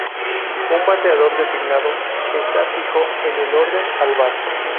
Un Bateador Designado está fijo en el orden al bat.